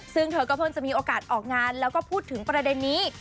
ซึ่งเธอก็เพิ่งจะมีโอกาสออกงานแล้วก็พูดถึงประเด็นนี้